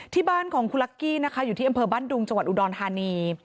ที่บ้านของคุณลักกี้นะคะอยู่ที่อำเภอบ้านดุงจังหวัดอุดรธานี